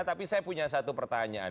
tapi saya punya satu pertanyaan